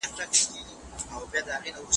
کېدای سي پاکوالي ګډ وي!